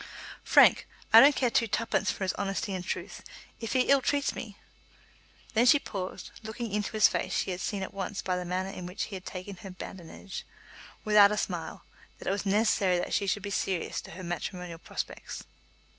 "Frank, I don't care twopence for his honesty and truth. If he ill treats me " Then she paused; looking into his face she had seen at once by the manner in which he had taken her badinage, without a smile, that it was necessary that she should be serious as to her matrimonial prospects.